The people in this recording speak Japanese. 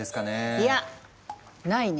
いやないね。